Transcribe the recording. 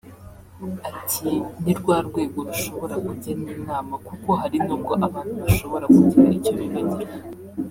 Ati “ Ni rwa rwego rushobora kujya n’inama kuko hari n’ubwo abantu bashobora kugira icyo bibagirwa